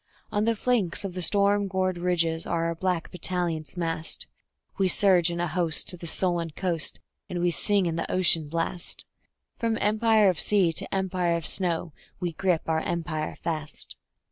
On the flanks of the storm gored ridges are our black battalions massed; We surge in a host to the sullen coast, and we sing in the ocean blast; From empire of sea to empire of snow we grip our empire fast.